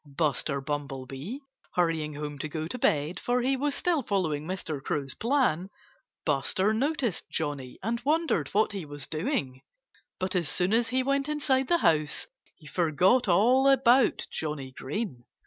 Buster Bumblebee, hurrying home to go to bed for he was still following Mr. Crow's plan Buster noticed Johnnie and wondered what he was doing. But as soon as he went inside the house he forgot all about Johnnie Green.